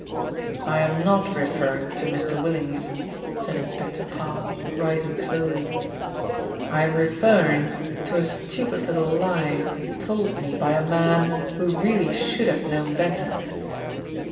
"I am not referring to Mr. Willings," said Inspector Parr rising slowly. "I am referring to a stupid little lie told me by a man who really should have known better."